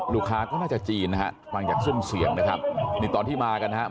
ลูกค้าก็น่าจะจีนนะฮะฟังจากซุ่มเสียงนะครับนี่ตอนที่มากันนะครับ